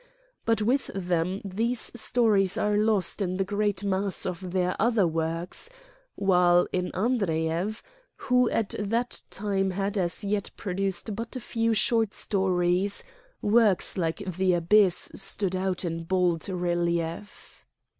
But with them these stories are lost in the great mass of their other works, while in Andreyev, who at that time had ix Preface as yet produced but a few short stories, works like "The Abyss" stood out in bold relief.